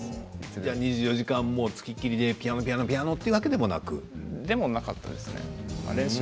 ２４時間つきっきりでピアノピアノピアノ、というそういうわけでもなかったですね。